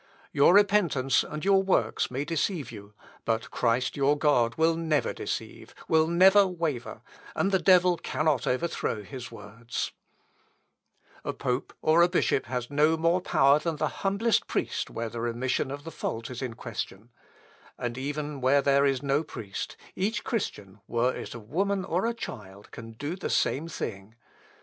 Your repentance and your works may deceive you, but Christ your God will never deceive, will never waver; and the devil cannot overthrow his words." "Christus dein Gott wird dir nicht lugen: noch wanken." (Ibid.) "A pope or a bishop has no more power than the humblest priest where the remission of the fault is in question. And even where there is no priest, each Christian, were it a woman or a child, can do the same thing.